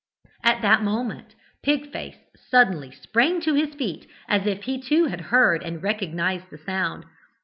"At that moment Pig face suddenly sprang to his feet, as if he too had heard and recognized the sound.